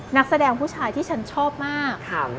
นักแสดงผู้ชายที่ฉันชอบมาก